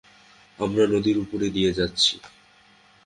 আমরা নদীর উপর দিয়ে যাচ্ছি?